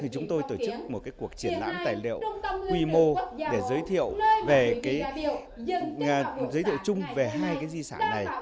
chúng tôi tổ chức một cuộc triển lãm tài liệu quy mô để giới thiệu chung về hai di sản này